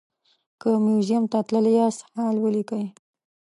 که موزیم ته تللي یاست حال ولیکئ.